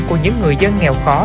của những người dân nghèo khó